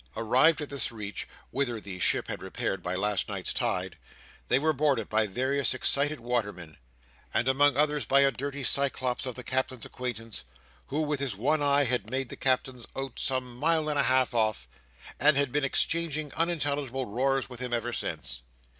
Arrived at this Reach (whither the ship had repaired by last night's tide), they were boarded by various excited watermen, and among others by a dirty Cyclops of the Captain's acquaintance, who, with his one eye, had made the Captain out some mile and a half off, and had been exchanging unintelligible roars with him ever since.